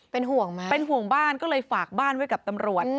เป็นห่วงไหมเป็นห่วงบ้านก็เลยฝากบ้านไว้กับตำรวจ